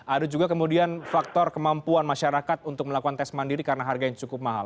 ada juga kemudian faktor kemampuan masyarakat untuk melakukan tes mandiri karena harga yang cukup mahal